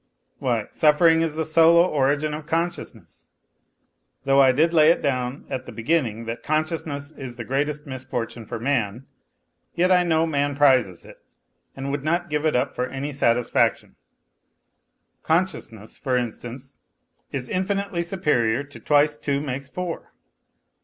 Why, suffering is the sole origin of consciousness. Though I did lay it down at the be ginning that consciousness is the greatest misfortune for man, yet I know man prizes it and would not give it up for any satis faction. Consciousness, for instance, is infinitely superior to twice two makes four?